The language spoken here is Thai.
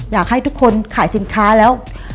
อยากให้ทุกคนขายสินค้าแล้ว